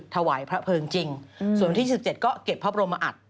ถวายพระเพลิงจริงส่วนวันที่๑๗ก็เก็บพระบรมอัด